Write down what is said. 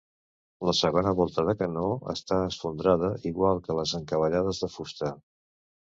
La segona volta de canó està esfondrada, igual que les encavallades de fusta.